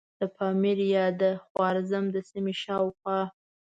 د پامیر یا د خوارزم د سیمې شاوخوا.